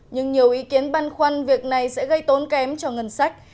nhưng nhiều ý kiến băn khoăn việc này sẽ gây tốn kém cho ngân sách